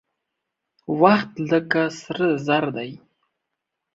وخت لکه سره زر دى.